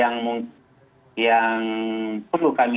ya mungkin ketika ada yang mungkin mengajak kami ya